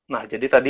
nah jadi tadi